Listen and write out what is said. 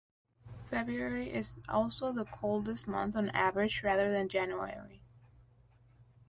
February is also the coldest month on average rather than January.